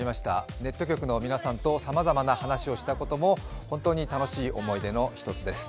ネット局の皆さんとさまざまな話をしたことも本当に楽しい思い出の一つです。